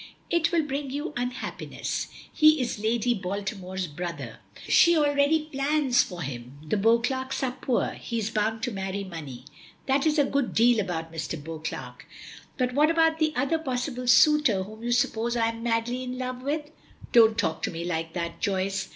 "It will bring you unhappiness. He is Lady Baltimore's brother. She already plans for him. The Beauclerks are poor he is bound to marry money." "That is a good deal about Mr. Beauclerk, but what about the other possible suitor whom you suppose I am madly in love with?" "Don't talk to me like that, Joyce.